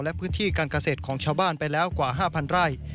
และพื้นที่การเกษตรของชาวบ้านไปแล้วกว่า๕๐๐ไร่